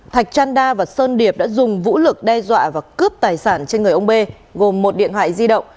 thạch chan đa và sơn điệp đã dùng vũ lực đe dọa và cướp tài sản trên người ông b gồm một điện thoại di động